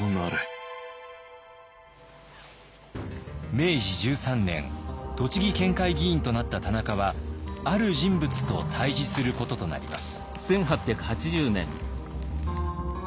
明治１３年栃木県会議員となった田中はある人物と対じすることとなります。